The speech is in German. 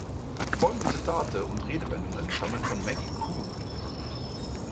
Folgende Zitate und Redewendungen stammen von Maggie Kuhn.